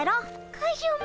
カジュマ！